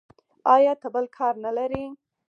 ایا ته بل کار نه لرې.